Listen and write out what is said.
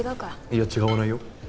いや違わないよ。